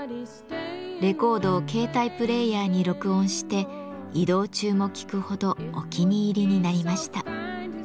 レコードを携帯プレーヤーに録音して移動中も聴くほどお気に入りになりました。